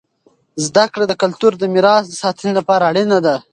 زده کړه د کلتور د میراث د ساتنې لپاره اړینه دی.